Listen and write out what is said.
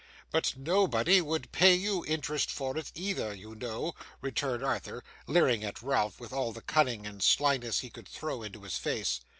'But nobody would pay you interest for it either, you know,' returned Arthur, leering at Ralph with all the cunning and slyness he could throw into his face.